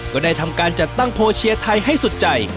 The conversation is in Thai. ก็ได้ทำการจัดตั้งโพลเชียร์ไทยให้สุดใจ